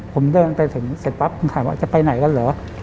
ผมเดินไปถึงเสร็จปั๊บผมถามว่าจะไปไหนกันเหรอ